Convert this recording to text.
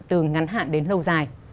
từ ngắn hạn đến lâu dài